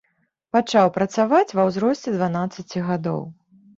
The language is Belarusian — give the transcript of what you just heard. Пачаў працаваць ва ўзросце дванаццаці гадоў.